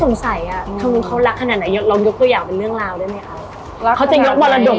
ต้องกลับมาเครียดอีกครั้ง